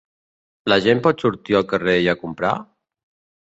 La gent pot sortir al carrer i a comprar?